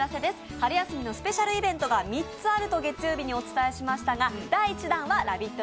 春休みのスペシャルイベントが３つあると月曜日にお伝えしましたが第１弾はラヴィット！